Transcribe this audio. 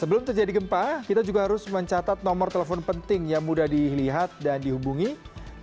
sebelum terjadi gempa kita juga harus mencatat nomor telepon penting yang mudah dilihat dan dihubungi